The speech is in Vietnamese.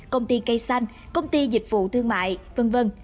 công ty cây xanh công ty dịch vụ thương mại v v